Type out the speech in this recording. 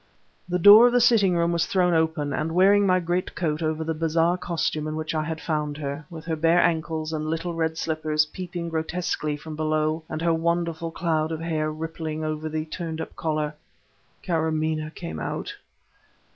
The door of the sitting room was thrown open, and, wearing my great coat over the bizarre costume in which I had found her, with her bare ankles and little red slippers peeping grotesquely from below, and her wonderful cloud of hair rippling over the turned up collar, Kâramaneh came out!